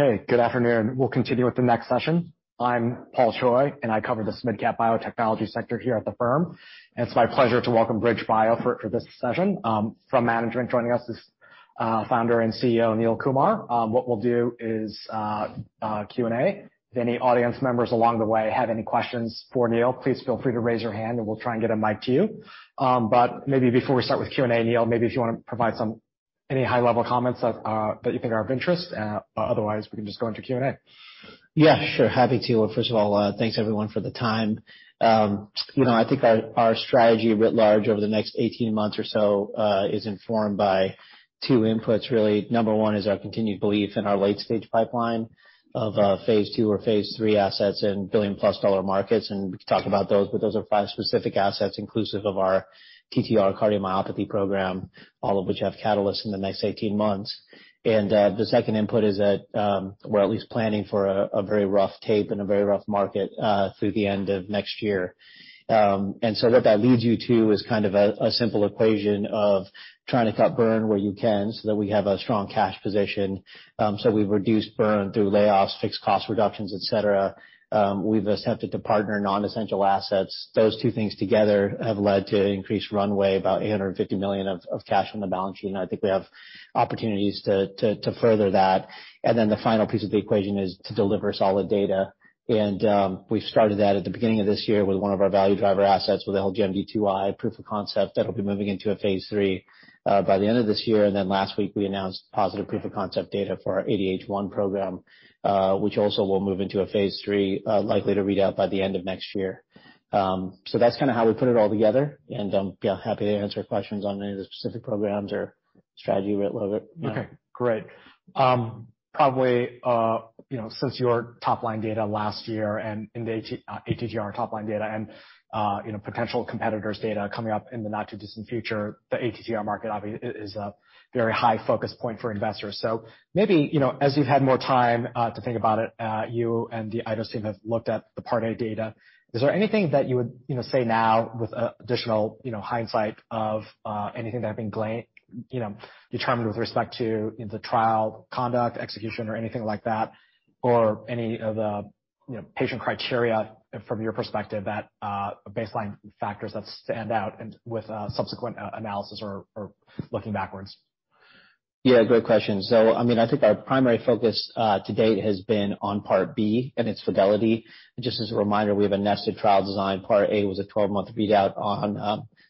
Okay, good afternoon. We'll continue with the next session. I'm Paul Choi, and I cover this mid-cap biotechnology sector here at the firm. It's my pleasure to welcome BridgeBio for this session. From management, joining us is founder and CEO, Neil Kumar. What we'll do is Q&A. If any audience members along the way have any questions for Neil, please feel free to raise your hand, and we'll try and get a mic to you. But maybe before we start with Q&A, Neil, maybe if you wanna provide any high-level comments that you think are of interest. Otherwise, we can just go into Q&A. Yeah, sure. Happy to. First of all, thanks, everyone, for the time. You know, I think our strategy writ large over the next 18 months or so is informed by two inputs, really. Number one is our continued belief in our late-stage pipeline of phase II or phase III assets in $1 billion+ markets, and we can talk about those, but those are five specific assets inclusive of our TTR cardiomyopathy program, all of which have catalysts in the next 18 months. The second input is that we're at least planning for a very rough tape and a very rough market through the end of next year. What that leads you to is kind of a simple equation of trying to cut burn where you can so that we have a strong cash position. We've reduced burn through layoffs, fixed cost reductions, et cetera. We've attempted to partner non-essential assets. Those two things together have led to increased runway, about $850 million of cash on the balance sheet, and I think we have opportunities to further that. The final piece of the equation is to deliver solid data. We've started that at the beginning of this year with one of our value driver assets with LGMD2I/R9 proof of concept that'll be moving into a phase III by the end of this year. Last week, we announced positive proof of concept data for our ADH1 program, which also will move into a phase III, likely to read out by the end of next year. That's kinda how we put it all together, and yeah, happy to answer questions on any of the specific programs or strategy writ large. Okay, great. Probably, you know, since your top-line data last year and in the ATTR top-line data and, you know, potential competitors' data coming up in the not-too-distant future, the ATTR market obviously is a very high focus point for investors. Maybe, you know, as you've had more time to think about it, you and the Ionis team have looked at the Part A data, is there anything that you would, you know, say now with additional, you know, hindsight of anything that had been determined with respect to the trial conduct, execution, or anything like that or any of the, you know, patient criteria from your perspective that baseline factors that stand out and with subsequent analysis or looking backwards? Yeah, great question. I mean, I think our primary focus to date has been on Part B and its fidelity. Just as a reminder, we have a nested trial design. Part A was a 12-month readout on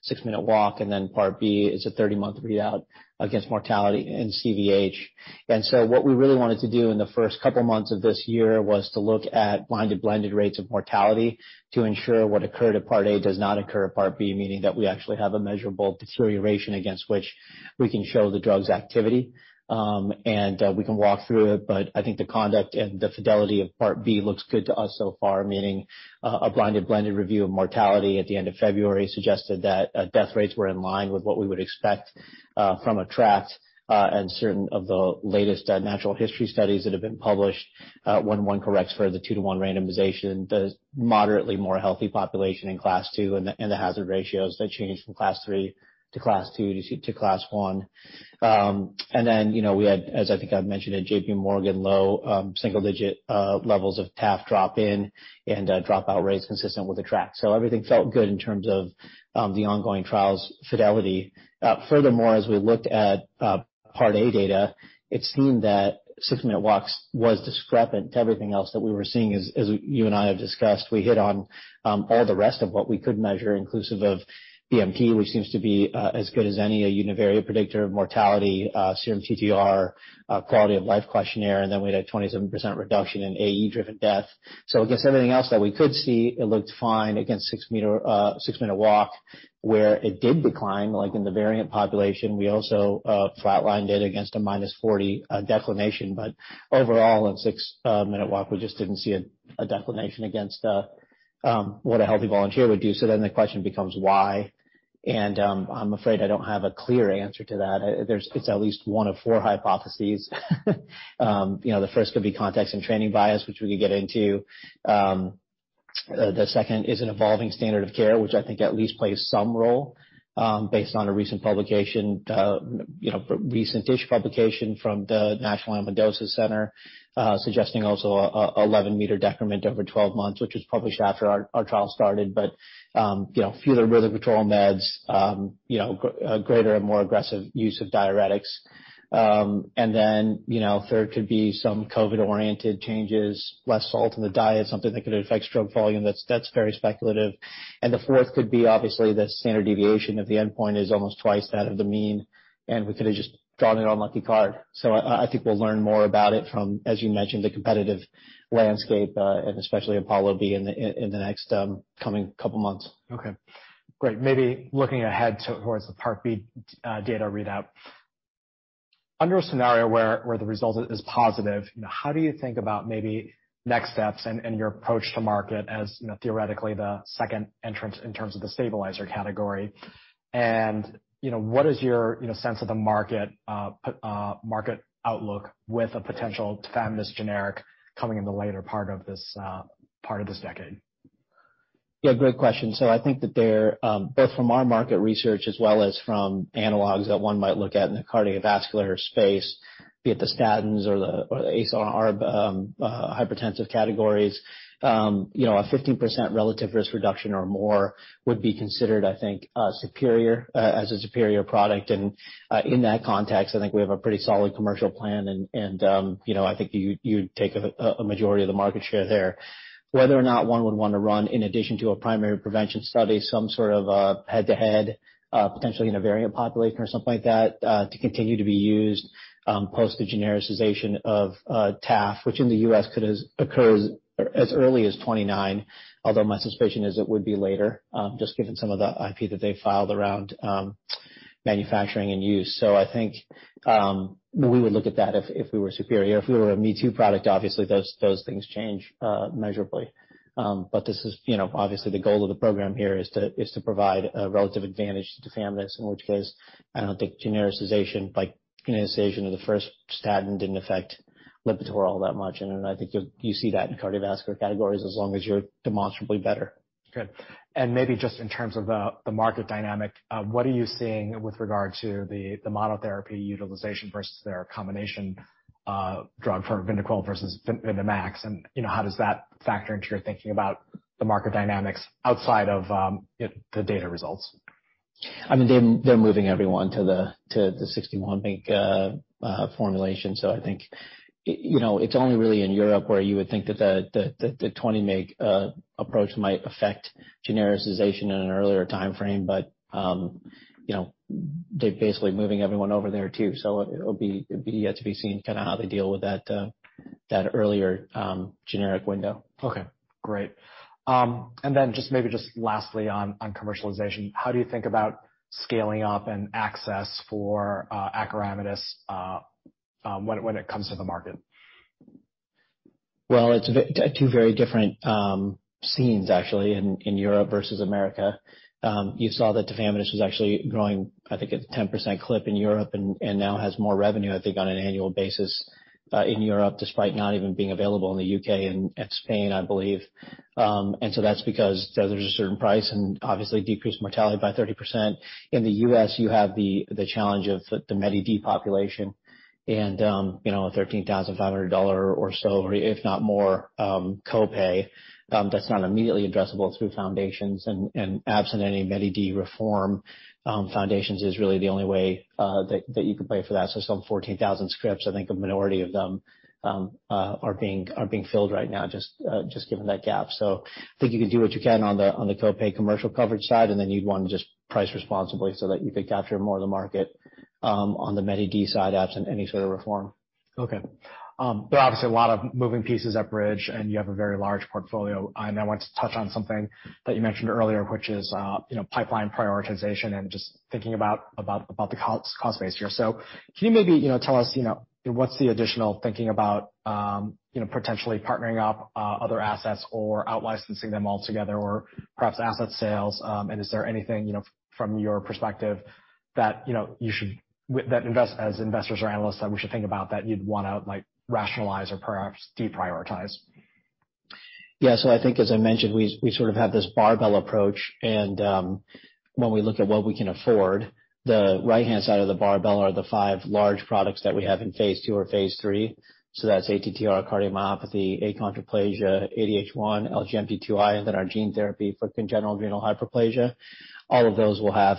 six-minute walk, and then Part B is a 30-month readout against mortality and CVH. What we really wanted to do in the first couple months of this year was to look at blinded, blended rates of mortality to ensure what occurred at Part A does not occur at Part B, meaning that we actually have a measurable deterioration against which we can show the drug's activity. We can walk through it, but I think the conduct and the fidelity of Part B looks good to us so far, meaning a blinded, blended review of mortality at the end of February suggested that death rates were in line with what we would expect from ATTR-ACT and certain of the latest natural history studies that have been published when one corrects for the two-to-one randomization, the moderately more healthy population in class 2 and the hazard ratios that change from class 3 to class 2 to class 1. You know, we had, as I think I've mentioned at JPMorgan, low single-digit levels of TAF drop-in and dropout rates consistent with ATTR-ACT. Everything felt good in terms of the ongoing trial's fidelity. Furthermore, as we looked at Part A data, it seemed that six-minute walks was discrepant to everything else that we were seeing. As you and I have discussed, we hit on all the rest of what we could measure, inclusive of BNP, which seems to be as good as any a univariate predictor of mortality, serum TTR, quality of life questionnaire, and then we had a 27% reduction in AE-driven death. Against everything else that we could see, it looked fine. Against six-minute walk where it did decline, like in the variant population, we also flatlined it against a -40 declination. Overall, in six-minute walk, we just didn't see a declination against what a healthy volunteer would do. The question becomes why, and, I'm afraid I don't have a clear answer to that. It's at least one of four hypotheses. You know, the first could be context and training bias, which we could get into. The second is an evolving standard of care, which I think at least plays some role, based on a recent publication, you know, recent-ish publication from the National Amyloidosis Centre, suggesting also an 11 m decrement over 12 months, which was published after our trial started. You know, fewer really control meds, you know, greater and more aggressive use of diuretics. You know, there could be some COVID-oriented changes, less salt in the diet, something that could affect stroke volume. That's very speculative. The fourth could be obviously the standard deviation of the endpoint is almost twice that of the mean, and we could have just drawn an unlucky card. I think we'll learn more about it from, as you mentioned, the competitive landscape, and especially APOLLO-B in the next coming couple months. Okay. Great. Maybe looking ahead towards the Part B data readout. Under a scenario where the result is positive, you know, how do you think about maybe next steps and your approach to market as, you know, theoretically the second entrant in terms of the stabilizer category? You know, what is your sense of the market outlook with a potential Tafamidis generic coming in the later part of this decade? Yeah, great question. I think that there, both from our market research as well as from analogs that one might look at in the cardiovascular space, be it the statins or the ACE or ARB, hypertensive categories, you know, a 15% relative risk reduction or more would be considered, I think, superior, as a superior product. In that context, I think we have a pretty solid commercial plan and, you know, I think you'd take a majority of the market share there. Whether or not one would wanna run in addition to a primary prevention study, some sort of head-to-head potentially in a variant population or something like that to continue to be used post the genericization of Taf, which in the U.S. could occur as early as 2029, although my suspicion is it would be later just given some of the IP that they filed around manufacturing and use. I think we would look at that if we were superior. If we were a me-too product, obviously those things change measurably. This is, you know, obviously the goal of the program here is to provide a relative advantage to Tafamidis, in which case I don't think genericization of the first statin didn't affect Lipitor all that much. I think you see that in cardiovascular categories as long as you're demonstrably better. Good. Maybe just in terms of the market dynamic, what are you seeing with regard to the monotherapy utilization versus their combination drug for Vyndaqel versus Vyndamax? You know, how does that factor into your thinking about the market dynamics outside of, you know, the data results? I mean, they're moving everyone to the 60/1 mg formulation. I think you know, it's only really in Europe where you would think that the 20 mg approach might affect genericization in an earlier timeframe. You know, they're basically moving everyone over there too. It'll be yet to be seen kinda how they deal with that earlier generic window. Okay, great. Just maybe just lastly on commercialization. How do you think about scaling up and access for Acoramidis when it comes to the market? Well, it's two very different scenes actually, in Europe versus America. You saw that Tafamidis was actually growing, I think, at 10% clip in Europe and now has more revenue, I think, on an annual basis in Europe, despite not even being available in the U.K. and Spain, I believe. That's because there's a certain price and obviously decreased mortality by 30%. In the U.S., you have the challenge of the Medicare Part D population and, you know, $13,500 or so, if not more, copay, that's not immediately addressable through foundations and, absent any Medicare Part D reform, foundations is really the only way that you can pay for that. Some 14,000 scripts, I think a minority of them, are being filled right now, just given that gap. I think you can do what you can on the copay commercial coverage side, and then you'd wanna just price responsibly so that you could capture more of the market on the Medicare Part D side, absent any sort of reform. Okay. There are obviously a lot of moving pieces at Bridge, and you have a very large portfolio. I want to touch on something that you mentioned earlier, which is, you know, pipeline prioritization and just thinking about the cost base here? Can you maybe tell us what's the additional thinking about, you know, potentially partnering up other assets or out-licensing them altogether or perhaps asset sales? And is there anything from your perspective that as investors or analysts we should think about that you'd wanna, like, rationalize or perhaps deprioritize? Yeah. I think, as I mentioned, we sort of have this barbell approach. When we look at what we can afford, the right-hand side of the barbell are the five large products that we have in phase II or phase III That's ATTR cardiomyopathy, achondroplasia, ADH1, LGMD2I/R9, and then our gene therapy for congenital adrenal hyperplasia.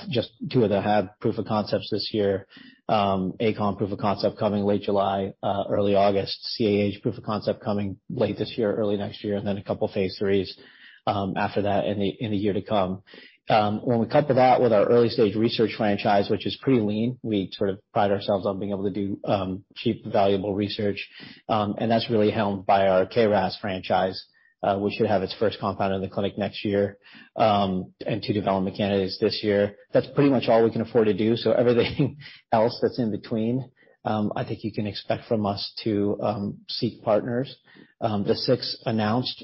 Just two of them have proof of concepts this year. Encaleret proof of concept coming late July, early August. CAH proof of concept coming late this year, early next year, and then a couple of phase IIIs after that in the year to come. When we couple that with our early-stage research franchise, which is pretty lean, we sort of pride ourselves on being able to do cheap, valuable research, and that's really helmed by our KRAS franchise, which should have its first compound in the clinic next year, and two development candidates this year. That's pretty much all we can afford to do. Everything else that's in between, I think you can expect from us to seek partners. The six announced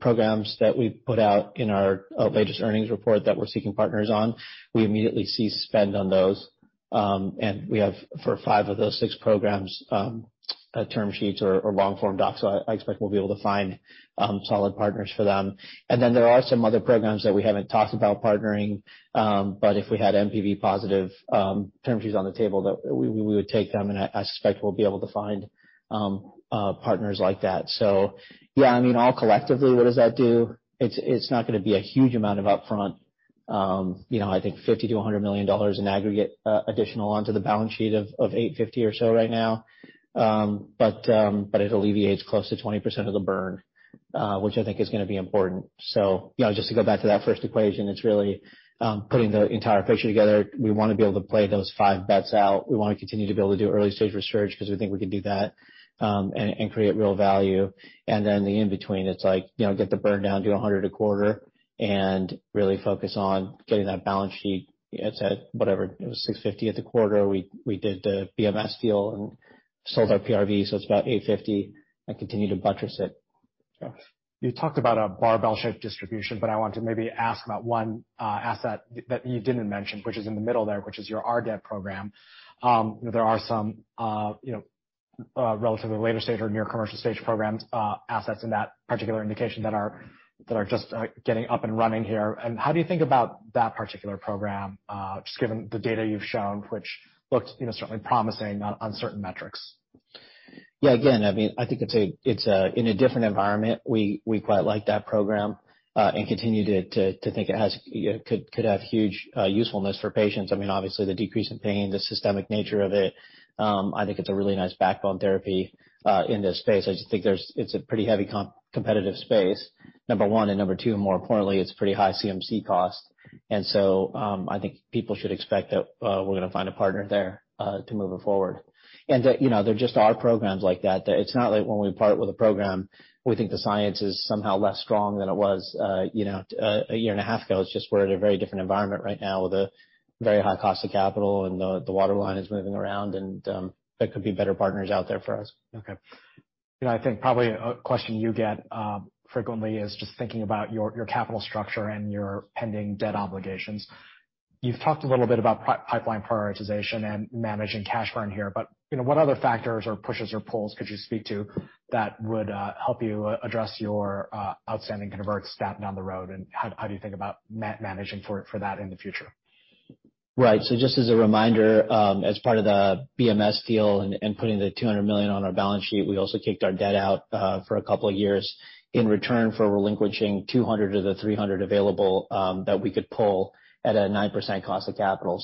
programs that we put out in our latest earnings report that we're seeking partners on, we immediately cease spend on those. We have, for five of those six programs, term sheets or long-form docs. I expect we'll be able to find solid partners for them. Then there are some other programs that we haven't talked about partnering, but if we had NPV positive term sheets on the table that we would take them, and I suspect we'll be able to find partners like that. Yeah, I mean, all collectively, what does that do? It's not gonna be a huge amount of upfront. You know, I think $50 million-$100 million in aggregate additional onto the balance sheet of $850 or so right now. But it alleviates close to 20% of the burn, which I think is gonna be important. You know, just to go back to that first equation, it's really putting the entire picture together. We wanna be able to play those five bets out. We wanna continue to be able to do early-stage research because we think we can do that and create real value. Then the in-between, it's like, you know, get the burn down to $100 a quarter and really focus on getting that balance sheet. It's at whatever, it was $650 at the quarter. We did the BMS deal and sold our PRV, so it's about $850 and continue to buttress it. You talked about a barbell shape distribution, but I want to maybe ask about one asset that you didn't mention, which is in the middle there, which is your RDEB program. There are some, you know, relative to the later stage or near commercial stage programs, assets in that particular indication that are just getting up and running here. How do you think about that particular program, just given the data you've shown, which looked, you know, certainly promising on certain metrics? Yeah. Again, I mean, I think it's a in a different environment we quite like that program and continue to think it has, you know, could have huge usefulness for patients. I mean, obviously the decrease in pain, the systemic nature of it, I think it's a really nice backbone therapy in this space. I just think it's a pretty heavy competitive space, number one. Number two, more importantly, it's pretty high CMC cost. I think people should expect that we're gonna find a partner there to move it forward. You know, there just are programs like that it's not like when we part with a program, we think the science is somehow less strong than it was, you know, a year and a half ago. It's just we're at a very different environment right now with a very high cost of capital, and the waterline is moving around and there could be better partners out there for us. Okay. You know, I think probably a question you get frequently is just thinking about your capital structure and your pending debt obligations. You've talked a little bit about pipeline prioritization and managing cash burn here, but you know, what other factors or pushes or pulls could you speak to that would help you address your outstanding converts that down the road, and how do you think about managing for that in the future? Right. Just as a reminder, as part of the BMS deal and putting the $200 million on our balance sheet, we also kicked our debt out for a couple of years in return for relinquishing $200 of the $300 available that we could pull at a 9% cost of capital.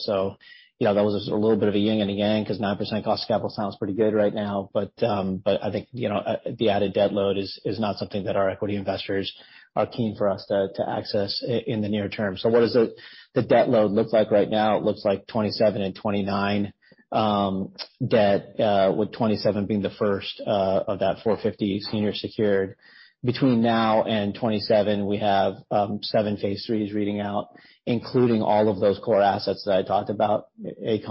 You know, that was a little bit of a yin and yang 'cause 9% cost of capital sounds pretty good right now. But I think, you know, the added debt load is not something that our equity investors are keen for us to access in the near term. What does the debt load look like right now? It looks like $27 million and $29 million debt, with $27 million being the first of that $450 million senior secured. Between now and 2027 we have seven phase IIIs reading out, including all of those core assets that I talked about, achondroplasia,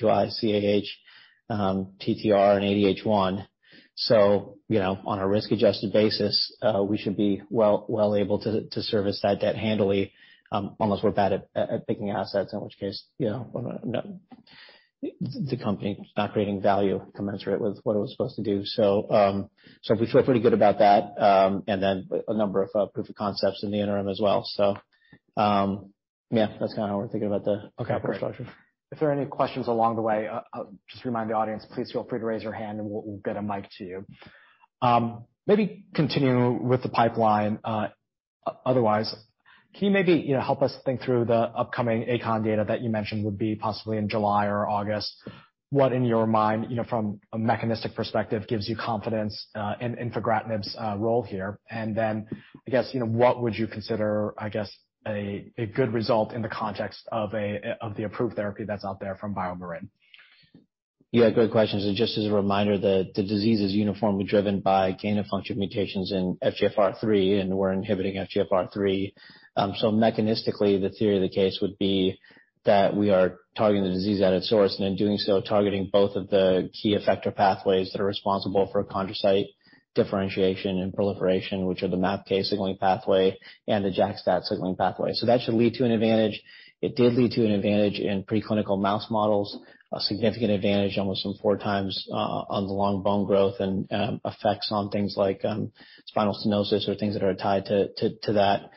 LGMD2I/R9, CAH, TTR, and ADH1. You know, on a risk-adjusted basis, we should be well able to service that debt handily, unless we're bad at picking assets, in which case, you know, we're not. The company's not creating value commensurate with what it was supposed to do. We feel pretty good about that. And then a number of proof of concepts in the interim as well. Yeah, that's kind of how we're thinking about the capital structure. Okay, great. If there are any questions along the way, just remind the audience, please feel free to raise your hand and we'll get a mic to you. Maybe continue with the pipeline. Otherwise, can you maybe, you know, help us think through the upcoming ACON data that you mentioned would be possibly in July or August? What in your mind, you know, from a mechanistic perspective, gives you confidence in infigratinib's role here? I guess, you know, what would you consider, I guess, a good result in the context of the approved therapy that's out there from BioMarin? Yeah, good questions. Just as a reminder that the disease is uniformly driven by gain-of-function mutations in FGFR3, and we're inhibiting FGFR3. Mechanistically, the theory of the case would be that we are targeting the disease at its source, and in doing so, targeting both of the key effector pathways that are responsible for chondrocyte differentiation and proliferation, which are the MAPK signaling pathway and the JAK-STAT signaling pathway. That should lead to an advantage. It did lead to an advantage in preclinical mouse models, a significant advantage, almost some 4 times, on the long bone growth and effects on things like spinal stenosis or things that are tied to that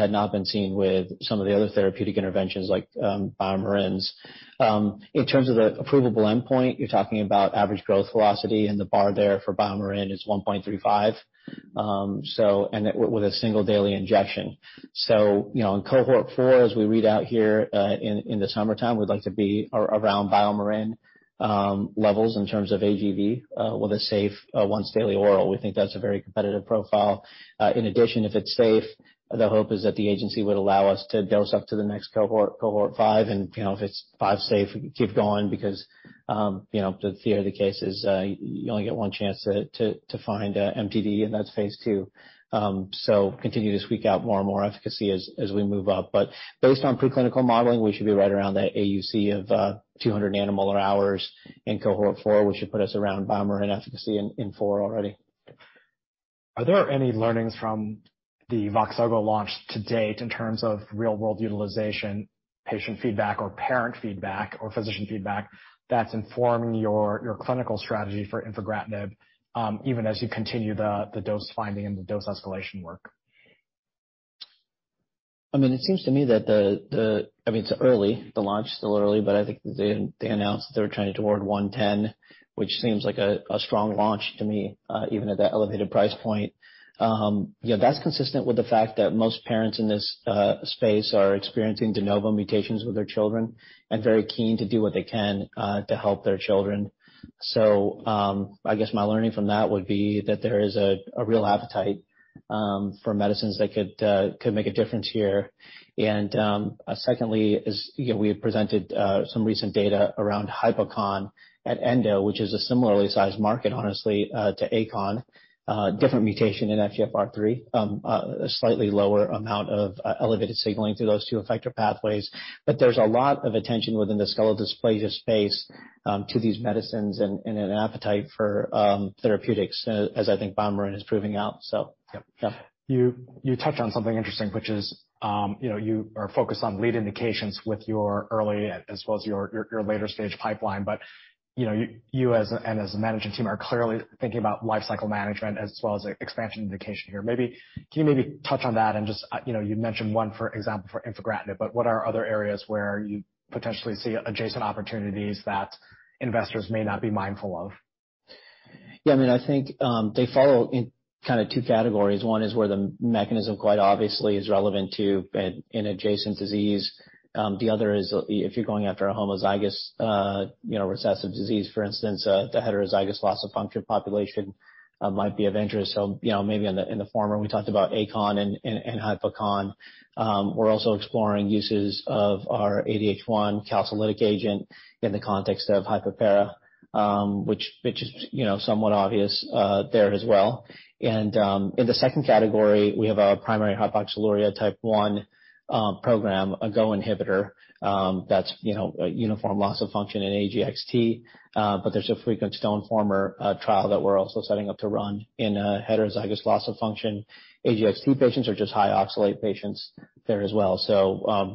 had not been seen with some of the other therapeutic interventions like BioMarin's. In terms of the approvable endpoint, you're talking about average growth velocity, and the bar there for BioMarin is 1.35, with a single daily injection. You know, in cohort 4, as we read out here, in the summertime, we'd like to be around BioMarin levels in terms of AGV, with a safe once daily oral. We think that's a very competitive profile. In addition, if it's safe, the hope is that the agency would allow us to dose up to the next cohort 5. You know, if it's 5 safe, we can keep going because, you know, the theory of the case is, you only get one chance to find MTD, and that's phase II. Continue to squeak out more and more efficacy as we move up. Based on preclinical modeling, we should be right around that AUC of 200 animal hours in cohort 4, which should put us around BioMarin efficacy in four already. Are there any learnings from the Voxzogo launch to date in terms of real-world utilization, patient feedback or parent feedback or physician feedback that's informing your clinical strategy for Infigratinib, even as you continue the dose finding and the dose escalation work? I mean, it seems to me that it's early. The launch is still early, but I think they announced that they were trending toward $110, which seems like a strong launch to me, even at that elevated price point. You know, that's consistent with the fact that most parents in this space are experiencing de novo mutations with their children and very keen to do what they can to help their children. I guess my learning from that would be that there is a real appetite for medicines that could make a difference here. Secondly is, you know, we have presented some recent data around hypochondroplasia at ENDO, which is a similarly sized market honestly to achondroplasia. Different mutation in FGFR3, a slightly lower amount of elevated signaling through those two effector pathways. There's a lot of attention within the skeletal dysplasia space to these medicines and an appetite for therapeutics as I think BioMarin is proving out. Yep. You touched on something interesting, which is, you know, you are focused on lead indications with your early as well as your later stage pipeline, but, you know, you as a management team are clearly thinking about lifecycle management as well as expansion indication here. Maybe, can you touch on that and just, you know, you mentioned one for example for Infigratinib, but what are other areas where you potentially see adjacent opportunities that investors may not be mindful of? Yeah, I mean, I think they follow in kinda two categories. One is where the mechanism quite obviously is relevant to an adjacent disease. The other is if you're going after a homozygous, you know, recessive disease, for instance, the heterozygous loss of function population might be of interest. You know, maybe in the former, we talked about achondroplasia and hypochondroplasia. We're also exploring uses of our ADH1 calcilytic agent in the context of hypopara, which is, you know, somewhat obvious there as well. In the second category, we have our primary hyperoxaluria type one program, a GO inhibitor, that's, you know, a uniform loss of function in AGXT. There's a frequent stone former trial that we're also setting up to run in a heterozygous loss of function AGXT patients or just high oxalate patients there as well.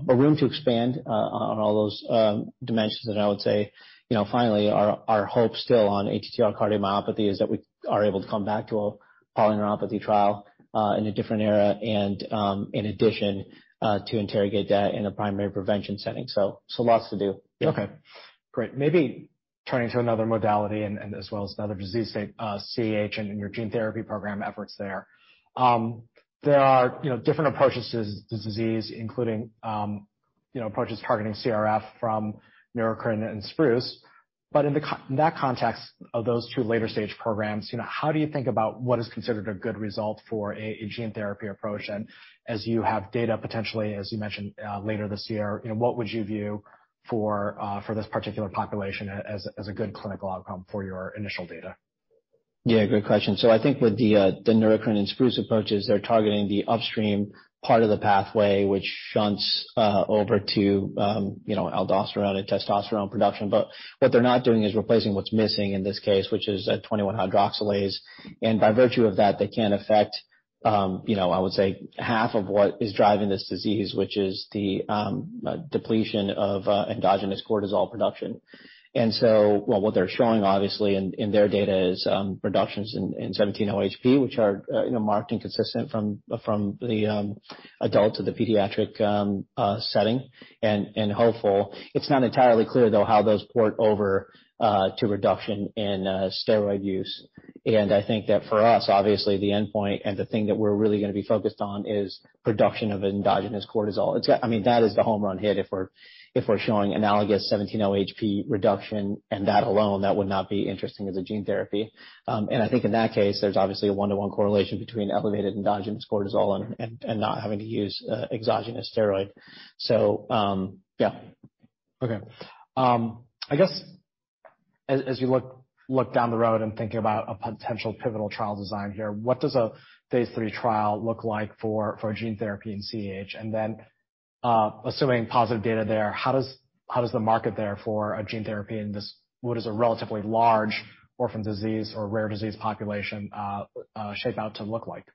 Room to expand on all those dimensions that I would say. You know, finally, our hope still on ATTR cardiomyopathy is that we are able to come back to a polyneuropathy trial in a different era and in addition to interrogate that in a primary prevention setting. Lots to do. Okay, great. Maybe turning to another modality and as well as another disease state, CAH and your gene therapy program efforts there. There are, you know, different approaches to this disease, including, you know, approaches targeting CRF from Neurocrine and Spruce. But in the in that context of those two later stage programs, you know, how do you think about what is considered a good result for a gene therapy approach? As you have data, potentially, as you mentioned, later this year, you know, what would you view for this particular population as a good clinical outcome for your initial data? Yeah, good question. I think with the Neurocrine and Spruce approaches, they're targeting the upstream part of the pathway which shunts over to you know, aldosterone and testosterone production. What they're not doing is replacing what's missing in this case, which is 21-hydroxylase. By virtue of that, they can't affect you know, I would say half of what is driving this disease, which is the depletion of endogenous cortisol production. What they're showing obviously in their data is reductions in 17-OHP, which are you know, marked and consistent from the adult to the pediatric setting. Hopeful. It's not entirely clear, though, how those port over to reduction in steroid use. I think that for us, obviously the endpoint and the thing that we're really gonna be focused on is production of endogenous cortisol. I mean, that is the home run hit if we're showing analogous 17-OHP reduction and that alone, that would not be interesting as a gene therapy. I think in that case, there's obviously a one-to-one correlation between elevated endogenous cortisol and not having to use exogenous steroid. Okay. I guess as you look down the road and think about a potential pivotal trial design here, what does a phase III trial look like for gene therapy in CAH? Assuming positive data there, how does the market there for a gene therapy in this what is a relatively large orphan disease or rare disease population shape out to look like?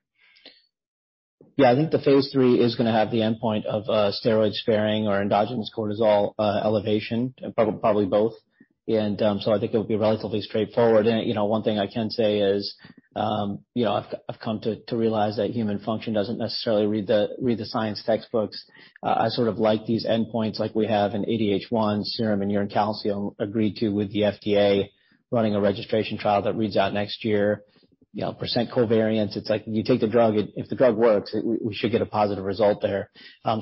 Yeah. I think the phase III is gonna have the endpoint of steroid sparing or endogenous cortisol elevation, probably both. I think it will be relatively straightforward. You know, one thing I can say is, you know, I've come to realize that human function doesn't necessarily read the science textbooks. I sort of like these endpoints like we have in ADH1 serum and urine calcium agreed to with the FDA, running a registration trial that reads out next year. You know, percent covariance. It's like you take the drug, if the drug works, we should get a positive result there.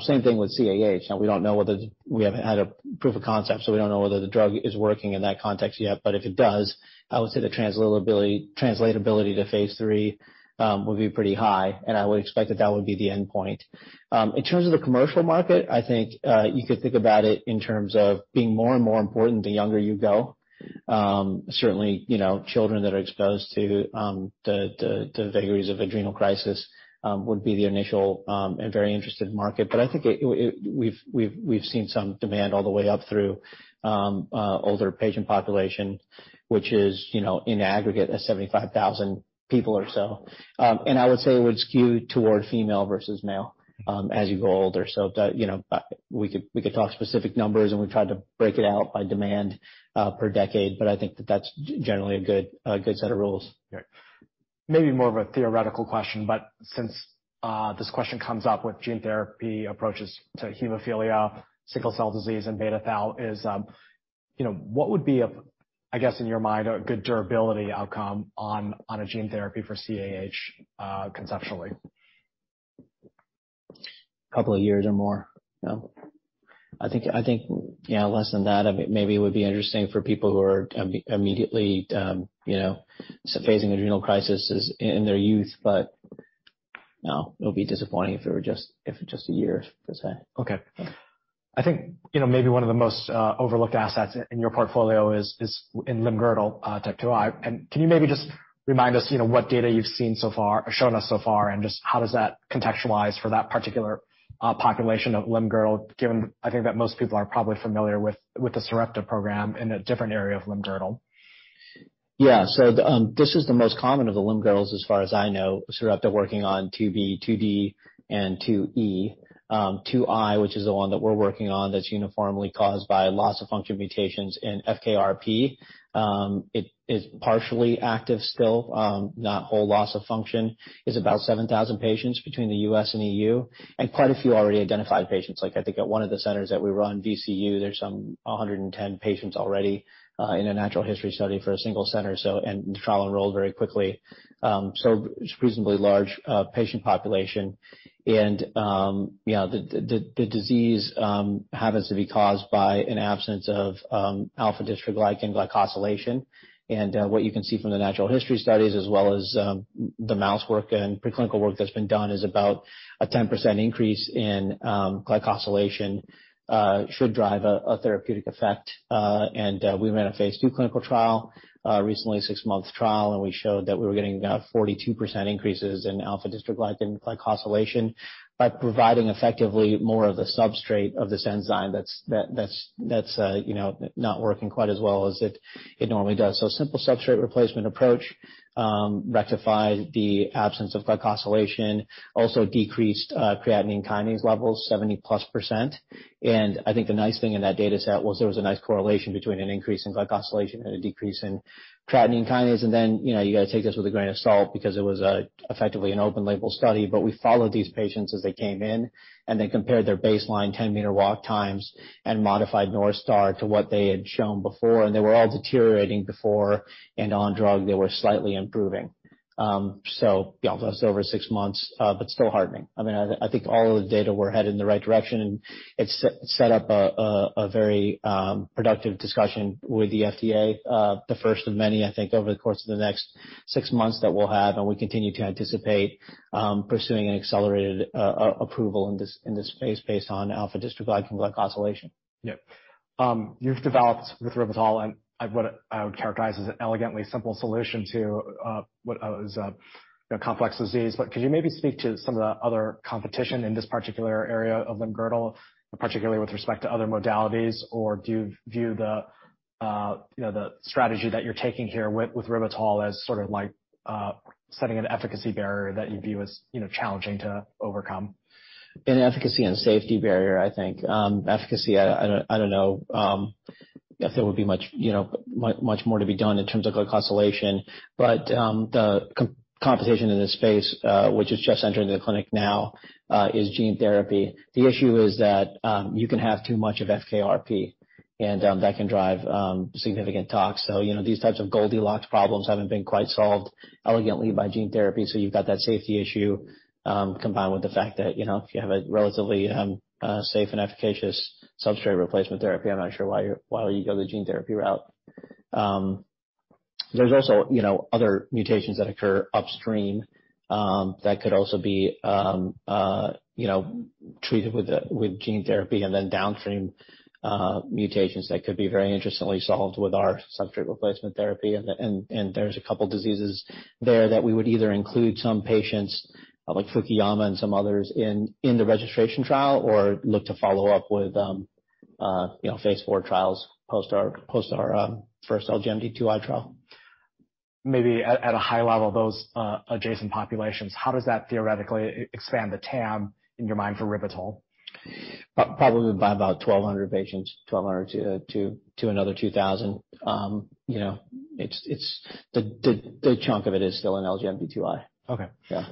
Same thing with CAH. Now, we don't know whether. We haven't had a proof of concept, so we don't know whether the drug is working in that context yet. If it does, I would say the translatability to phase III would be pretty high, and I would expect that would be the endpoint. In terms of the commercial market, I think you could think about it in terms of being more and more important the younger you go. Certainly, you know, children that are exposed to the vagaries of adrenal crisis would be the initial and very interested market. I think we've seen some demand all the way up through older patient population, which is, you know, in aggregate 75,000 people or so. I would say it would skew toward female versus male as you grow older. You know, we could talk specific numbers, and we've tried to break it out by demand per decade, but I think that's generally a good set of rules. Right. Maybe more of a theoretical question, but since this question comes up with gene therapy approaches to hemophilia, sickle cell disease, and beta thal, you know, what would be, I guess, in your mind, a good durability outcome on a gene therapy for CAH, conceptually? A couple of years or more. No. I think. Yeah, less than that, I mean, maybe it would be interesting for people who are immediately, you know, facing adrenal crisis in their youth, but no, it'll be disappointing if it were just a year, per se. Okay. I think, you know, maybe one of the most overlooked assets in your portfolio is in limb-girdle type 2I. Can you maybe just remind us, you know, what data you've seen so far or shown us so far, and just how does that contextualize for that particular population of limb-girdle, given I think that most people are probably familiar with the Sarepta program in a different area of limb-girdle? This is the most common of the limb girdles, as far as I know. Sort of out there working on 2B, 2D, and 2E. 2I, which is the one that we're working on, that's uniformly caused by loss of function mutations in FKRP. It is partially active still, not whole loss of function, is about 7,000 patients between the U.S. and EU, and quite a few already identified patients. Like, I think at one of the centers that we were on, VCU, there's about 110 patients already, in a natural history study for a single center, and the trial enrolled very quickly. Reasonably large patient population. You know, the disease happens to be caused by an absence of alpha-dystroglycan glycosylation. What you can see from the natural history studies as well as the mouse work and preclinical work that's been done is about a 10% increase in glycosylation should drive a therapeutic effect. We ran a phase II clinical trial recently, a six-month trial, and we showed that we were getting about 42% increases in alpha-dystroglycan glycosylation by providing effectively more of the substrate of this enzyme that's you know not working quite as well as it normally does. Simple substrate replacement approach rectified the absence of glycosylation, also decreased creatine kinase levels 70%+. I think the nice thing in that data set was there was a nice correlation between an increase in glycosylation and a decrease in creatine kinase. You know, you gotta take this with a grain of salt because it was effectively an open-label study. We followed these patients as they came in, and they compared their baseline 10 m walk times and modified North Star to what they had shown before. They were all deteriorating before, and on drug, they were slightly improving. So yeah, that's over six months, but still heartening. I mean, I think all of the data were headed in the right direction, and it set up a very productive discussion with the FDA. The first of many, I think, over the course of the next six months that we'll have, and we continue to anticipate pursuing an accelerated approval in this space based on alpha-dystroglycan glycosylation. Yeah. You've developed with ribitol and what I would characterize as an elegantly simple solution to what is a, you know, complex disease. Could you maybe speak to some of the other competition in this particular area of limb-girdle, particularly with respect to other modalities? Do you view the, you know, the strategy that you're taking here with ribitol as sort of like setting an efficacy barrier that you view as, you know, challenging to overcome? An efficacy and safety barrier, I think. Efficacy, I don't know if there would be much, you know, more to be done in terms of glycosylation. The competition in this space, which is just entering the clinic now, is gene therapy. The issue is that you can have too much of FKRP, and that can drive significant toxicity. You know, these types of Goldilocks problems haven't been quite solved elegantly by gene therapy, so you've got that safety issue combined with the fact that, you know, if you have a relatively safe and efficacious substrate replacement therapy, I'm not sure why you go the gene therapy route. There's also, you know, other mutations that occur upstream, that could also be, you know, treated with gene therapy and then downstream mutations that could be very interestingly solved with our substrate replacement therapy. There's a couple diseases there that we would either include some patients, like Fukuyama and some others in the registration trial or look to follow up with, you know, phase IV trials post our first LGMD2I/R9 trial. Maybe at a high level, those adjacent populations, how does that theoretically expand the TAM in your mind for ribitol? Probably by about 1,200 patients, 1,200 to another 2,000. You know, it's the chunk of it is still in LGMD2I/R9. Okay. Yeah.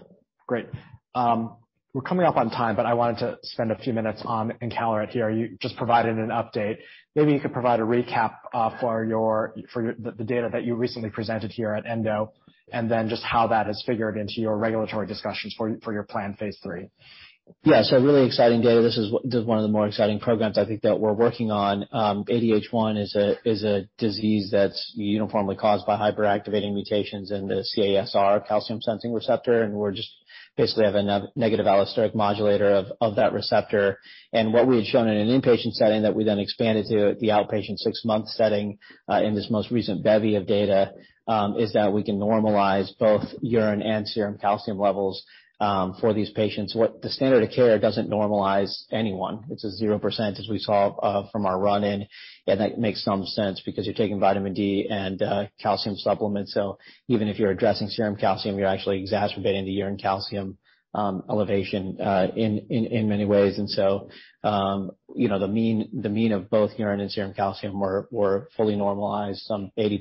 Great. We're coming up on time, but I wanted to spend a few minutes on Encaleret here. You just provided an update. Maybe you could provide a recap for the data that you recently presented here at ENDO, and then just how that has figured into your regulatory discussions for your planned phase III? Yeah. Really exciting data. This is one of the more exciting programs I think that we're working on. ADH1 is a disease that's uniformly caused by hyperactivating mutations in the CASR, calcium sensing receptor. We're just basically have a negative allosteric modulator of that receptor. What we had shown in an inpatient setting that we then expanded to the outpatient six-month setting in this most recent bevy of data is that we can normalize both urine and serum calcium levels for these patients. What the standard of care doesn't normalize anyone. It's 0%, as we saw, from our run-in, and that makes some sense because you're taking vitamin D and calcium supplements. Even if you're addressing serum calcium, you're actually exacerbating the urine calcium elevation in many ways. You know, the mean of both urine and serum calcium were fully normalized, some 80%+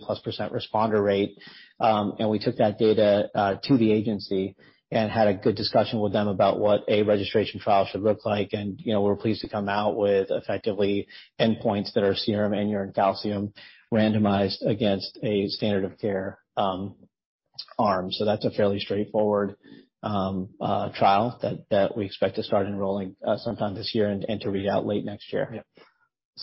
responder rate. We took that data to the agency and had a good discussion with them about what a registration trial should look like. You know, we're pleased to come out with effectively endpoints that are serum and urine calcium randomized against a standard of care arm. That's a fairly straightforward trial that we expect to start enrolling sometime this year and to read out late next year. Yeah.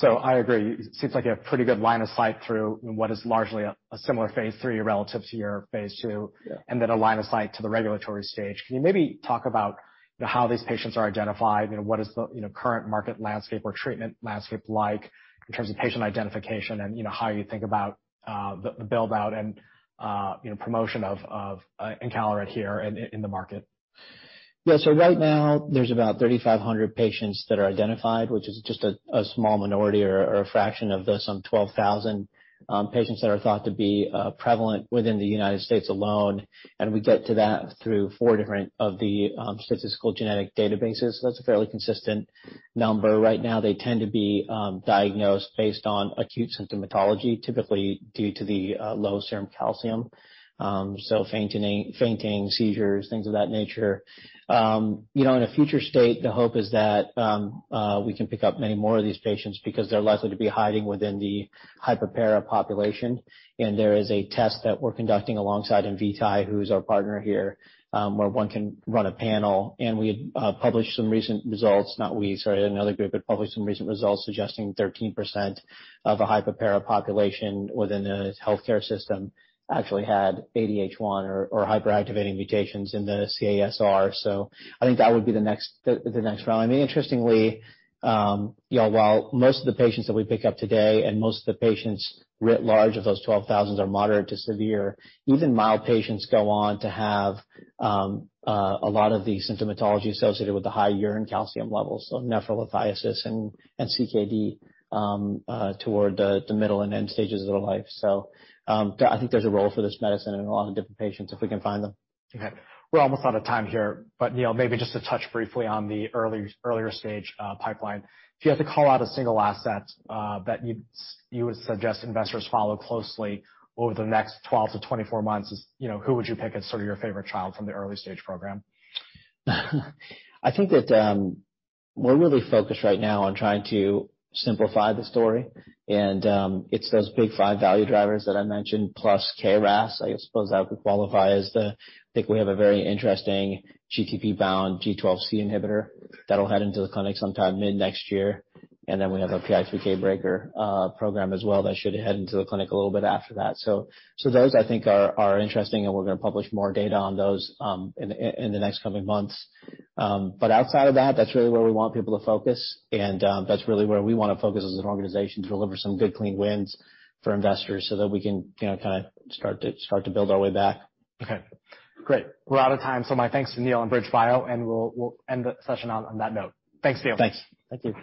I agree. Seems like a pretty good line of sight through what is largely a similar phase III relative to your phase II. Yeah. A line of sight to the regulatory stage. Can you maybe talk about how these patients are identified? You know, what is the, you know, current market landscape or treatment landscape like in terms of patient identification and, you know, how you think about the build-out and, you know, promotion of Encaleret here in the market? Yeah. Right now there's about 3,500 patients that are identified, which is just a small minority or a fraction of the some 12,000 patients that are thought to be prevalent within the United States alone. We get to that through four different of the statistical genetic databases. That's a fairly consistent number. Right now, they tend to be diagnosed based on acute symptomatology, typically due to the low serum calcium. Fainting, seizures, things of that nature. You know, in a future state, the hope is that we can pick up many more of these patients because they're likely to be hiding within the hypoparathyroidism population. There is a test that we're conducting alongside Invitae, who is our partner here, where one can run a panel. We had published some recent results—not we, sorry, another group had published some recent results suggesting 13% of a hypoparathyroidism population within the healthcare system actually had ADH1 or hyperactivating mutations in the CASR. I think that would be the next round. I mean, interestingly, you know, while most of the patients that we pick up today and most of the patients writ large of those 12,000 are moderate to severe, even mild patients go on to have a lot of the symptomatology associated with the high urine calcium levels, so nephrolithiasis and CKD toward the middle and end stages of their life. I think there's a role for this medicine in a lot of different patients, if we can find them. Okay. We're almost out of time here, but Neil, maybe just to touch briefly on the earlier stage pipeline. If you had to call out a single asset that you would suggest investors follow closely over the next 12-24 months, you know, who would you pick as sort of your favorite child from the early stage program? I think that we're really focused right now on trying to simplify the story and it's those big five value drivers that I mentioned, plus KRAS. I suppose that would qualify. I think we have a very interesting GTP-bound G12C inhibitor that'll head into the clinic sometime mid-next year. Then we have a SHP2 breaker program as well that should head into the clinic a little bit after that. So those I think are interesting, and we're gonna publish more data on those in the next coming months. But outside of that's really where we want people to focus and that's really where we wanna focus as an organization to deliver some good, clean wins for investors so that we can, you know, kinda start to build our way back. Okay. Great. We're out of time, so my thanks to Neil and BridgeBio, and we'll end the session on that note. Thanks, Neil. Thanks. Thank you.